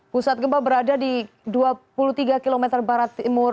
pusat gempa berada di dua puluh tiga km barat timur